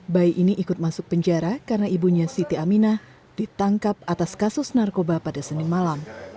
bayi ini ikut masuk penjara karena ibunya siti aminah ditangkap atas kasus narkoba pada senin malam